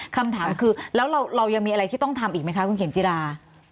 คำถามคือแล้วเรายังมีอะไรที่ต้องทำอีกไหมคะคุณเข็มจิรา